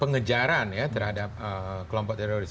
pengejaran ya terhadap kelompok teroris